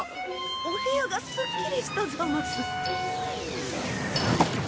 お部屋がすっきりしたざます。